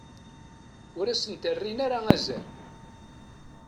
Ur asent-rrin ara azal.